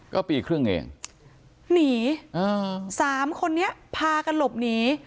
ก็ปีครึ่งเองหนีอ่าสามคนนี้พากันหลบหนี